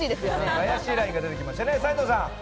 斉藤さん